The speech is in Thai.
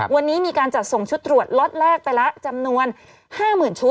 วันนี้มีการจัดส่งชุดตรวจล็อตแรกไปแล้วจำนวน๕๐๐๐ชุด